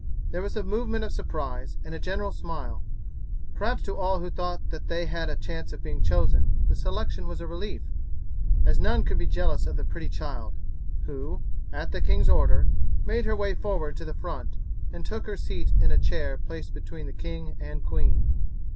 There was a movement of surprise and a general smile. Perhaps to all who thought that they had a chance of being chosen the selection was a relief, as none could be jealous of the pretty child, who, at the king's order, made her way forward to the front, and took her seat in a chair placed between the king and queen.